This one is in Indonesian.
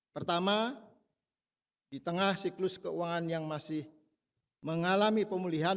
pertama di tengah siklus keuangan yang masih mengalami pemulihan